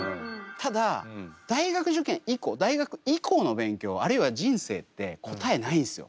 ただ大学受験以降大学以降の勉強あるいは人生って答えないんですよ。